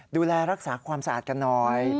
ดูแลรักษาความสะอาดกันหน่อย